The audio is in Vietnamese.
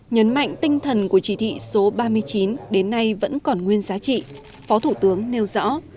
nhấn mạnh tinh thần của chỉ thị số ba mươi chín đến nay vẫn còn nguyên giá trị phó thủ tướng nêu rõ